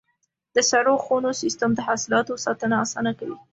د سړو خونو سیستم د حاصلاتو ساتنه اسانه کوي.